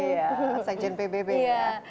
iya sejen pbb ya